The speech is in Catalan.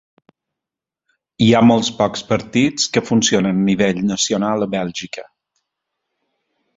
Hi ha molts pocs partits que funcionen a nivell nacional a Bèlgica.